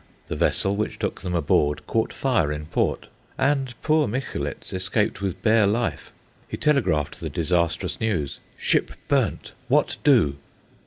The vessel which took them aboard caught fire in port, and poor Micholitz escaped with bare life. He telegraphed the disastrous news, "Ship burnt! What do?"